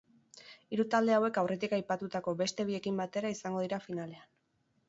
Hiru talde hauek aurretik aipatutako beste biekin batera izango dira finalean.